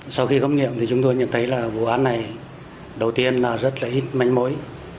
sau khi khám nghiệm thì chúng tôi nhận thấy là vụ án này đầu tiên là rất là ít manh mối